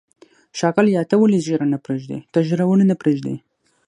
ښاغلیه، ته ولې ږیره نه پرېږدې؟ ته ږیره ولې نه پرېږدی؟